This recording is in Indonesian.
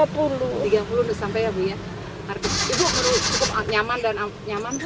ibu cukup nyaman dan nyaman